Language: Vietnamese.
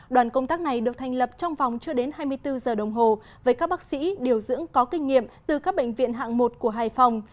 đoàn công tác này được thành lập trong vòng chưa đến hai mươi bốn giờ đồng hồ với các bác sĩ điều dưỡng có kinh nghiệm từ các bệnh viện hạng một của hải phòng